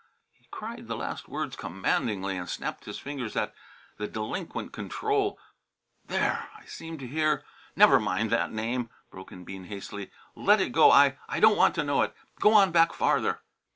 He cried the last words commandingly and snapped his fingers at the delinquent control. "There! I seem to hear " "Never mind that name," broke in Bean hastily. "Let it go! I I don't want to know it. Go on back farther!"